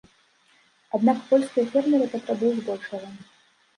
Аднак польскія фермеры патрабуюць большага.